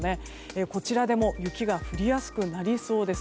こちらでも雪が降りやすくなりそうです。